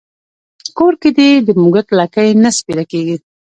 کور کې دې د موږک لکۍ نه سپېره کېږي.